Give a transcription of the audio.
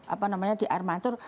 apa namanya di air mancur